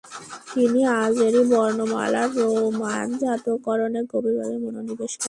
তিনি আজেরি বর্ণমালার রোমানজাতকরণে গভীরভাবে মনোনিবেশ করেন।